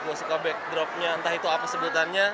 mau suka backdropnya entah itu apa sebutannya